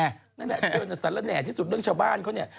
นั่นแหละจนสรรแห่ที่สุดเรื่องชาวบ้านเขาเนี่ย